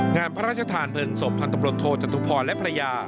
งานพระราชทานเบิ่ลศพทางตำรวจโทษจันทุพรและภรรยา